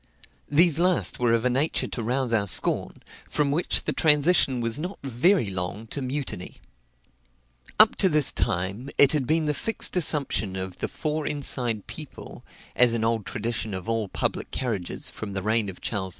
These last were of a nature to rouse our scorn, from which the transition was not very long to mutiny. Up to this time, it had been the fixed assumption of the four inside people, (as an old tradition of all public carriages from the reign of Charles II.